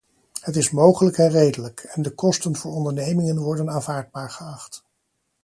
Het is mogelijk en redelijk, en de kosten voor ondernemingen worden aanvaardbaar geacht.